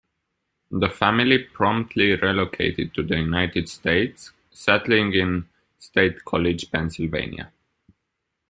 The family promptly relocated to the United States, settling in State College, Pennsylvania.